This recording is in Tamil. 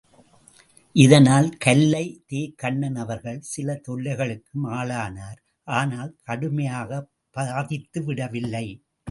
இதனால், கல்லை, தே.கண்ணன் அவர்கள் சில தொல்லைகளுக்கும் ஆளானார் ஆனால், கடுமையாகப் பாதித்து விடவில்லை.